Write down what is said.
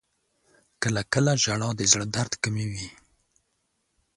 • کله کله ژړا د زړه درد کموي.